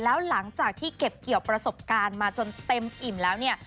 แล้วหลังจากที่เก็บเกี่ยวประสบการณ์มาจนเต็มอิ่มแล้วเนี่ย